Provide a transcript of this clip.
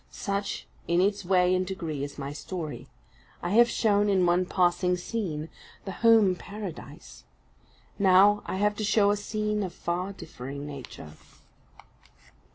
Such, in its way and degree, is my story. I have shown, in one passing scene, the home paradise; now I have to show a scene of a far differing nature.